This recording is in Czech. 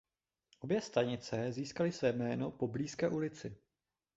Obě dvě stanice získaly své jméno po blízké ulici.